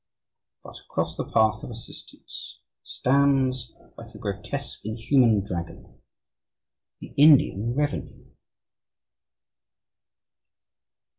But, across the path of assistance stands, like a grotesque, inhuman dragon, the Indian Revenue.